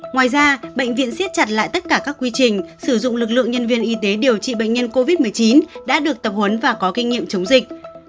ngoài ra bệnh viện siết chặt lại tất cả các quy trình sử dụng lực lượng nhân viên y tế điều trị bệnh nhân covid một mươi chín đã được tập huấn và có kinh nghiệm chống dịch